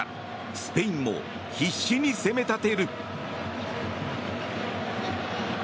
スペインも必死に攻めたてる。